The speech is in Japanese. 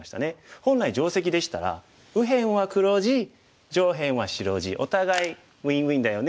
本来定石でしたら右辺は黒地上辺は白地。お互いウインウインだよね。